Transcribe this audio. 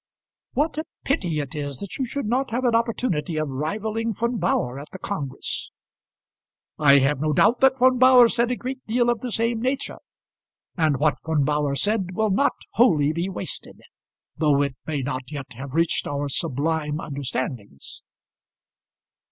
"What a pity it is that you should not have an opportunity of rivalling Von Bauhr at the congress!" "I have no doubt that Von Bauhr said a great deal of the same nature; and what Von Bauhr said will not wholly be wasted, though it may not yet have reached our sublime understandings."